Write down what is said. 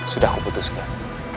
sudah aku putuskan